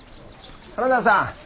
花田さん